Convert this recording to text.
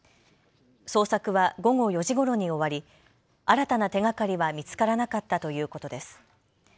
捜索は午後４時ごろに終わり新たな手がかりは見つからなかったということです。